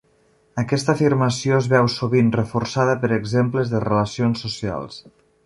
Aquesta afirmació es veu sovint reforçada per exemples de relacions socials.